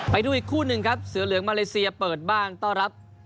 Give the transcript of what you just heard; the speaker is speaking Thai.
ไปดูอีกคู่หนึ่งครับเสือเหลืองมาเลเซียเปิดบ้านต้อนรับ